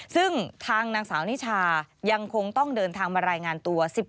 ซึ่งทางนางสาวนิชายังคงต้องเดินทางมารายงานตัว